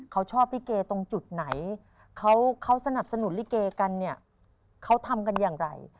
เขาชอบลิเกตรงจุดไหนเขาสนับสนุนลิเกกันเนี่ยเขาทำกันอย่างไร